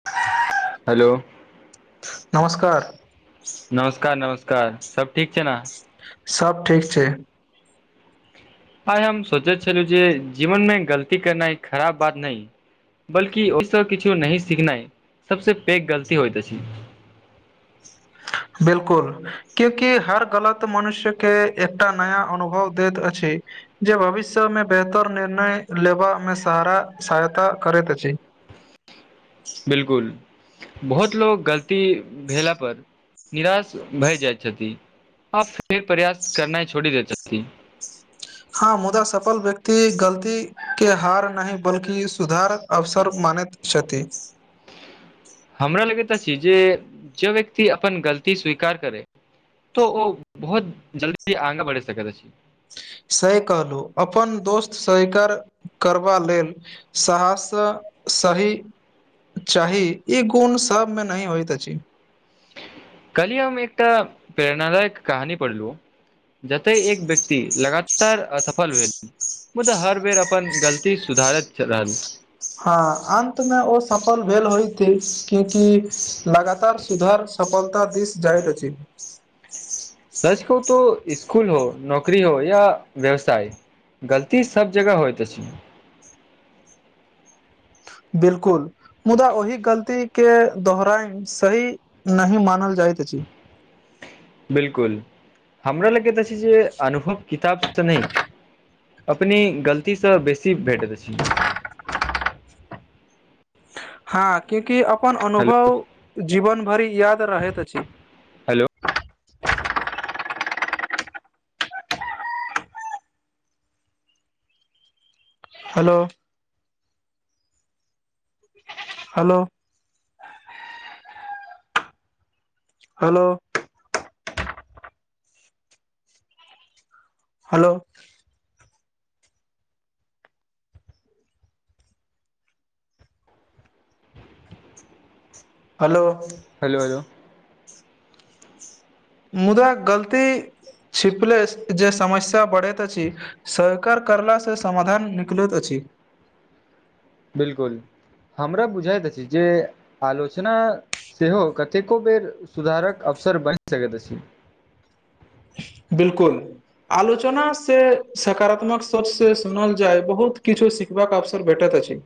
[unintelligible] Hello नमस्कार नमस्कार नमस्कार सब ठीक छै ने सब ठीक छै आइ हम सोचैत छलहु जे जीवनमे गलती करनाइ ई खराब बात नहि बल्कि ओसँ किछु नह सीखनाइ सबस पैघ गलती होइत अछि बिलकुल क्यूंकि हर गलत मनुष्य के एकटा नया अनुभव दैत अछि जे भविष्यमे बेहतर निर्णय लेबामे सहारा सहायता करैत अछि बिलकुल बहुत लोको गलती भेला पर निराश भय जाइत छथिन आ फेर प्रयास करना ह छोड़ी देत हँ मुदा सफल व्यक्ति गलती के हार नहि बल्कि सुधार अवसर मानैत छथि हमरा लगे त छी जे जे व्यक्ति अपन गलती स्वीकार करै तो ओ बहुत जल्दी आगे बढ़ि सकै छी से कहलहु अपन दोस्त सीक करबा लेल साहसँ सही चाही, ई गुण सभमे नहि होइत अछि। काल्हि हम एकटा प्रेरणादायक कहानी पढ़लहुँ, जतऽ एक व्यक्ति लगातार स असफल भेल, मुदा हर बेर अपन गलती सुधारैत रहल। हँ, अन्तमे ओ सफल भेल होइत, किएकि लगातार सुधार। सफलता दिस जाइत अछि। सच कहू तऽ स्कूल हो, नौकरी हो या व्यवसाय। गलती सभ जगह होइत अछि। बिल्कूल मुदा ओहि गलतीके दोहराइ सही नहि मानल जाइत अछि। बिल्कूल हमरा लग तऽ छै, जे अनुभव किताबसँ नहि अपने गलतीसँ बेसी भेट दैत छै। हँ क्यूकि अपन हेलो अनुभव जीवन भरि याद रहैत अछि। Hello hello hello hello hello hello hello hello मुदा गलती छिपलेजे समस्या बढ़ैत अछि। सरकर करला से समाधान निकलैत अछि। बिल्कूल हमरा बुझायत अछि जे आलोचना सेहो कतेको बेर सुधारक अवसर बनि सकैत अछि। बिल्कूल आलोचना से सकारात्मक सोच से सुनल जाय बहुत किछु का अभसर भेटत अछि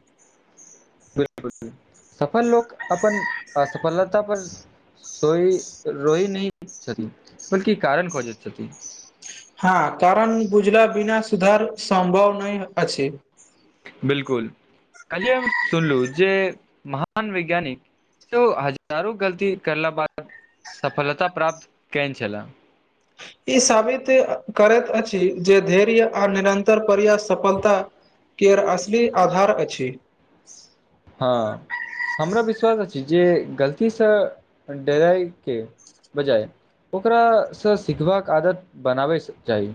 सफल लोक अपन असफलता पर। सोइ रोइ नय छथि बलकि कारण खोजैत छथि। हँ कारण बुझला बिना सुधार सम्भव नहि अछि। बिल्कुल, कहलियै हम सुनलहुँ जे महान वैज्ञानिक। सेओ हजारो गलती करलाक बाद सफलता प्राप्त केने छलाह। ई साबित करैत अछि जे धैर्य आ निरन्तर प्रयास सफलता। केर असली आधार अछि। हँ हमरा विश्वास अछि। जे गलती सँ डराय के बजाय ओकरा सँ सिखबाक आदत बनाबय चाही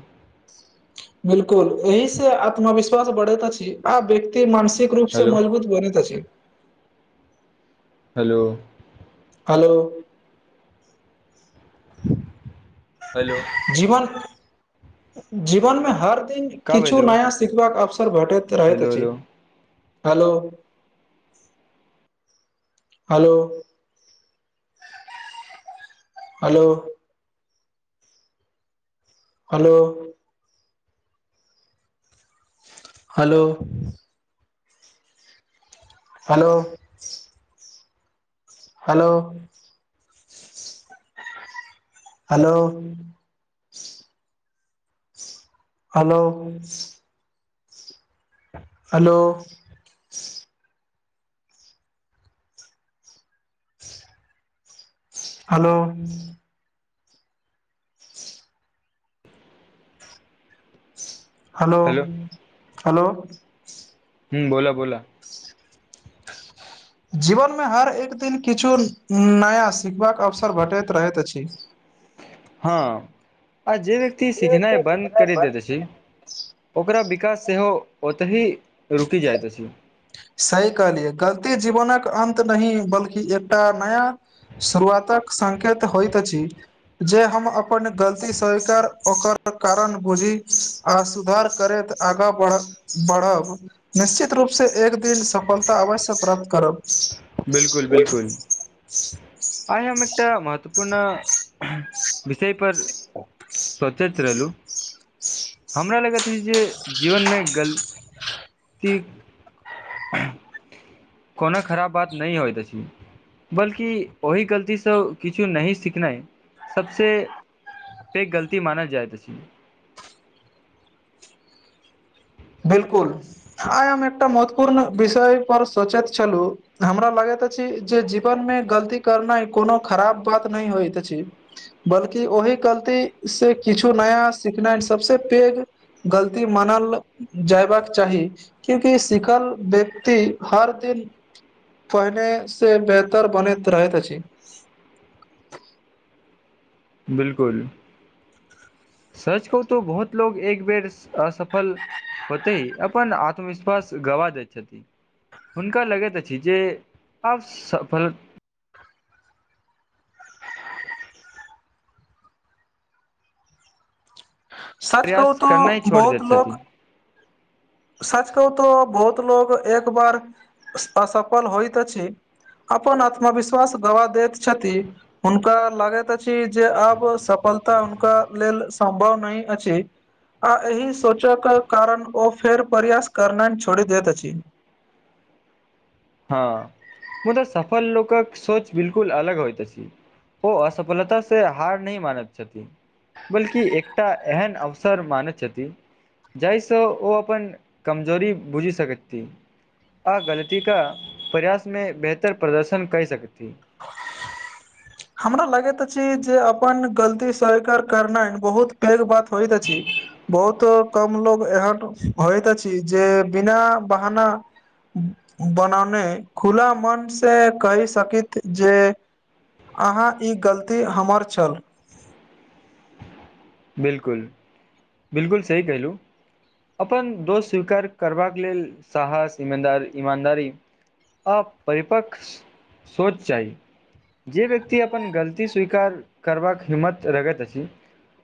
बिल्कूल ओहि से आत्मविश्वास बढ़ैत अछि। आब व्यक्ति मानसिक रूप से हेलो मजबूत बनैत अछि। हेलो हेलो हेलो जीवन जीवनमे हर दिन का किछु भेलो नया सिखबाक अवसर भेटैत। रहेत हेलो अछि hello hello hello hello hello hello hello hello hello hello hello hello hello hello hello हूँ बोला बोला [unintelligible] जीवन मे हर एक दिन किछु नया सिखबाक अवसर भेटैत रहैत अछि हँ आ जे व्यक्ति सिखनाइ ठीक बन्द छै करि दैत अछि बन्द ओकरा विकास सेहो ओतहि रुकि जाइत अछि सही कहलियै गलती जीवनक अन्त नहि बल्कि एकटा नया सुरुआतक सांकेत होइत अछि जे हम अपन गलती स्वीकार ओकर कारण बुझी आ सुधार करैत आगाँ बढ़ब निश्चित रूप से एक दू सफलता अवश्य प्राप्त करब बिल्कुल बिल्कुल आय हम एकटा महत्वपूर्ण विषय पर सोचैत रहलुँ हमरा लगैत अछि जे जीवनमे गल ती कोनो खराब बात नहि होयत अछि बल्कि ओहि गलतीसँ किछु नहि सिखनाय सभसे पेघ एक गलती मानल जायत अछि बिल्कुल आय हम एकटा महत्वपूर्ण विषय पर सोचैत छलु हमरा लगैत अछि जे जीवन मे गलती करनाय कोनो खराब बात नहि होइत अछि बल्कि ओहि गलती से किछु नया सिखनाय सबसे पेघ गलती मानल जयबाक चाही क्यूकि सिखल व्यक्ति हर दिन पहिने से बेहतर बनैत रहैत अछि बिल्कुल सच कहु तो बहुत लोग एक बेर असफल होतय अपन आत्मविश्वास गवा दैत छथि हुनका लगैत अछि जे आब सफल सच कहू प्रयास तो करनाइ छोड़ि बहुत दैत लोक छथिन सच कहू तो बहुत लोग एक बार असफल होयत अछि अपन आत्मविश्वास गवा दैत छथि हुनका लागैत अछि जे आब सफलता हुनका लेल सम्भव नहि अछि आ एहि सोचक कारण ओ फेर प्रयास करनाय छोड़ि दैत अछि हँ मुदा सफल लोकक सोच बिल्कुल अलग होयत अछि ओ असफलता से हार नहि मानैत छथिन बल्कि एकटा एहन अवसर मानै छथि जाहिसँ ओ अपन कमजोरी बुझि सकथि आ गलतीका प्रयासमे बेहतर प्रदर्शन करि सकैथि हमरा लगैत अछि जे अपन गलती स्वीकार करनाय बहुत पैघ बात होयत अछि बहुत कम लोक एहन होयत अछि जे बिना बहाना बनाने खुला मन से कहि सकैत जे अहाँ ई गलती हमर छल बिल्कुल बिल्कुल सही कहिलुँ अपन दोष स्वीकार करबाक लेल साहस ईमदार ईमानदारी। परिरिपक सोच जाइ। जे व्यक्ति अपन गलती स्वीकार करबाक हिम्मत रखैत अछि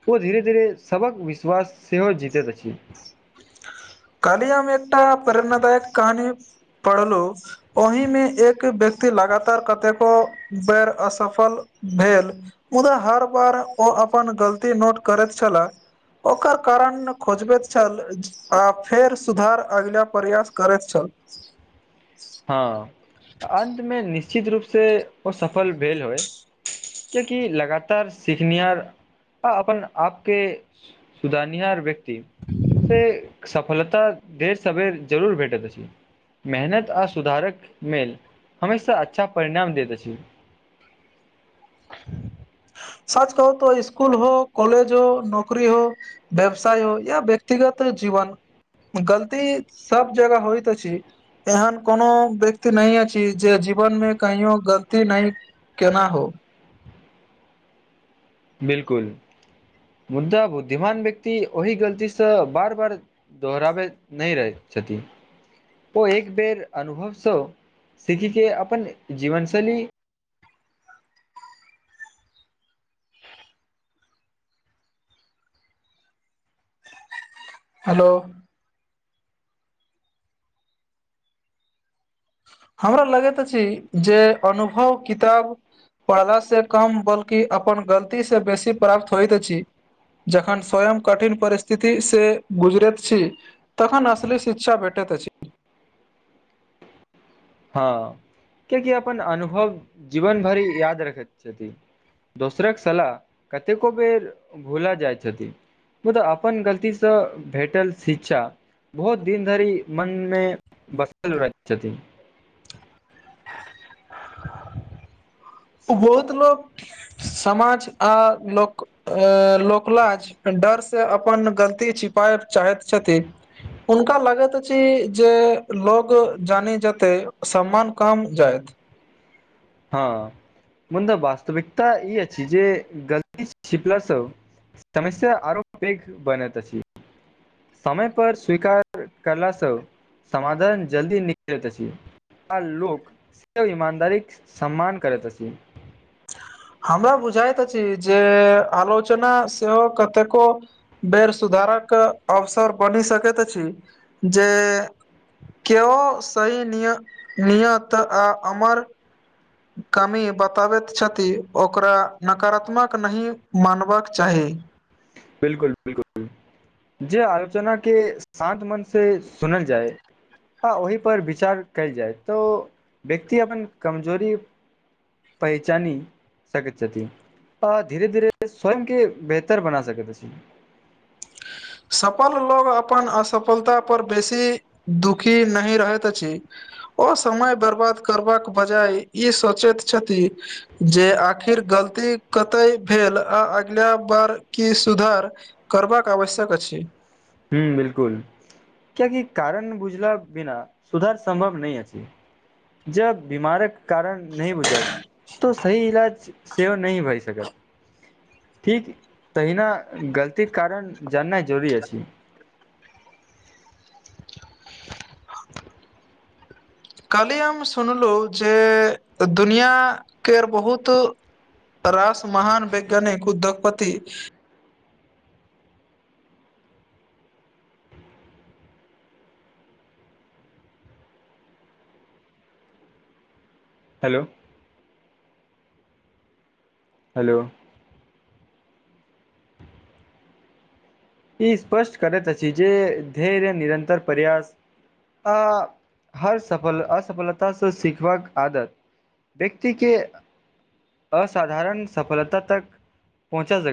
ओ धीरे धीरे सबक विश्वास सेहो जीतैत अछि काली हम एकटा प्रेरणादायक कहानी पढ़लहु ओहिमे एक व्यक्ति लगातार कतेको बेर असफल भेल मुदा हर बार ओ अपन गलती नोट करैत छला ओकर कारण खोजबैत छल आ फेर सुधार अगिला प्रयास करैत छल। हँ आ अन्तमे निश्चित रूप से ओ सफल भेल होय क्येकी लगातार सीखनिहार आ अपन आपके सुधारनिहार व्यक्त ती से सफलता देर सबेर जरूर भेटत अछि। मेहनत आ सुधारक मे हमेशा अच्छा परिणाम दैत अछि साच कहू त स्कूल हो कॉलेज हो नौकरी हो व्यवसाय हो या व्यक्तिगत जीवन गलती सब जगह होइत अछि एहन कोनो व्यक्ति नहि अछि जे जीवन मे कहियो गलती नहि केना हो बिलकुल मुदा बुद्धिमान व्यक्ति ओहि गलतीसँ बार बार दोहराबै नहि रहै छथिन ओ एक बेर अनुभवसँ सीखिके अपन जीवन शैली हेलो हमरा लगैत अछि जे अनुभव किताब पढ़लास कम बल्कि अपन गलतीसँ बेसी प्राप्त होइत अछि जखन स्वयं कठिन परिस्थिति से गुजरैत छी तखन असली शिक्षा भेटैत अछि हँ कियकि अपन अनुभव जीवन भरि याद रखैत छथिन दोसरक सलाह कतेको बेर भुला जाइत छथि खुद अपन गलतीसँ भेटल शिक्षा बहुत दिन धरि मन मे बसल रहैत छथिनी बहुत लोक समाज आ लोक लोकलाज डर से अपन गलती छिपाय चाहैत छथि हुनका लागैत अछि जे लोग जानी जेते सम्मान कम जाइत हँ मुदा वास्तविकता ई अछि जे गलती छिपला स समस्या आरो पेघ बनैत अछि समयपर स्वीकार कयलासँ समाधान जल्दी निकलैत अछि आ लोक से इमानदारी सम्मान करैत अछि हमरा बुझाइत अछि जे आलोचना सेहो कतेको बेर सुधारक अवसर बनि सकत छी जे केओ सही निय नियत आ अमर कमी बताबैत छथि ओकरा नकारात्मक नहि मानबाक चाही बिलकुल बिलकुल जे आलोचना के शान्त मन से सुनल जाय आ ओहिपर विचार कयल जाइ तऽ व्यक्ति अपन कमजोरी पहिचानी सकत छति आ धीरे धीरे स्वयं के बेहतर बना सकते अछि सफल लोग अपन असफलता पर बेसी दुखी नहि रहैत अछि ओ समय बर्बाद करबाक बजाय ई सोचैत छथि जे आखिर गलती कतय भेल आ अगिला बार की सुधार करबाक आवश्यक अछि ह्म बिलकुल कियकि कारण बुझला बिना सुधार सम्भव नहि अछि जब बीमारक कारण नहि बुझब तऽ सही इलाज सेहो नहि भए सकत ठीक तहिना गलतीके कारण जाननाइ जरूरी अछि कहली हम सुनलहु जे दुनिया के बहुत रासमहान वैज्ञानिक उद्योगपति हेलो हेलो ई स्पष्ट करैत अछि जे धैर्य निरन्तर प्रयास आ हर सफल असफलतासँ सिखबाक आदत व्यक्ति के असाधारण सफलता तक पहुँचा सके